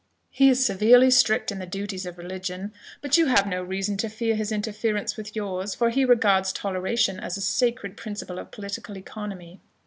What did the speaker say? He is severely strict in the duties of religion; but you have no reason to fear his interference with yours, for he regards toleration as a sacred principle of political economy.